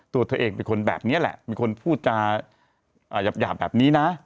ตัวเธอเองเป็นคนแบบนี้แหละเป็นคนพูดจาหยาบแบบนี้นะ